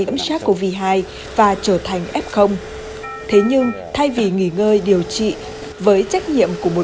nhiễm sars cov hai và trở thành f thế nhưng thay vì nghỉ ngơi điều trị với trách nhiệm của một